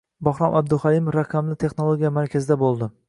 Bahrom Abduhalimov Raqamli texnologiyalar markazida bo‘ldi